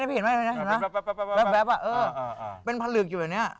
นี่ได้เห็นไหมแบบอะเป็นผลึกอยู่อยู่นี่